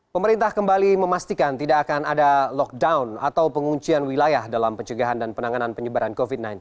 pemerintah kembali memastikan tidak akan ada lockdown atau penguncian wilayah dalam pencegahan dan penanganan penyebaran covid sembilan belas